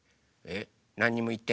えっ？